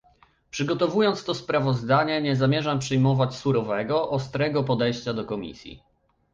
Przygotowując to sprawozdanie, nie zamierzam przyjmować surowego, ostrego podejścia do Komisji